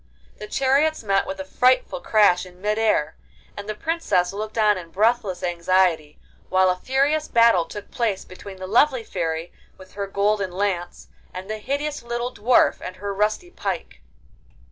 The chariots met with a frightful crash in mid air, and the Princess looked on in breathless anxiety while a furious battle took place between the lovely Fairy with her golden lance, and the hideous little Dwarf and her rusty pike.